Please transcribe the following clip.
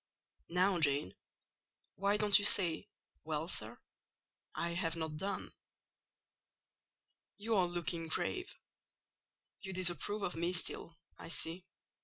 "Now, Jane, why don't you say 'Well, sir?' I have not done. You are looking grave. You disapprove of me still, I see.